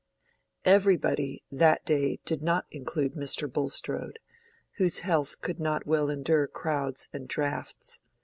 "Everybody" that day did not include Mr. Bulstrode, whose health could not well endure crowds and draughts.